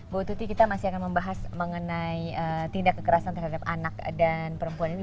bu tuti kita masih akan membahas mengenai tindak kekerasan terhadap anak dan perempuan ini